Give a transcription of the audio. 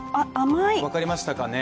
分かりましたかね。